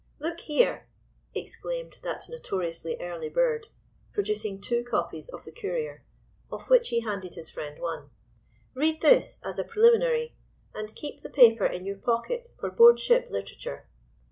"Look here!" exclaimed that notoriously early bird, producing two copies of the Courier, of which he handed his friend one, "Read this as a preliminary, and keep the paper in your pocket for board ship literature."